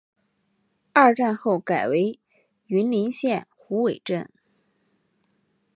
二战后改为云林县虎尾镇。